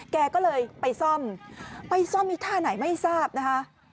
แกก็เลยไปซ่อมไปซ่อมอีกท่าไหนไม่ทราบนะคะ